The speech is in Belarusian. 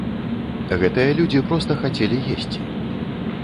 Гэтыя людзі проста хацелі есці.